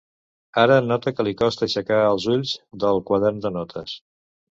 Ara nota que li costa aixecar els ulls del quadern de notes.